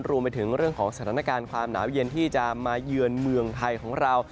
รวมไปถึงเรื่องของสถานการณ์ความหนาวเย็นที่จะมาเยือนเมืองไทยของเรา